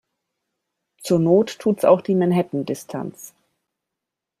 Zur Not tut's auch die Manhattan-Distanz.